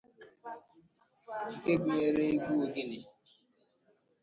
nke gụnyere: egwu ogene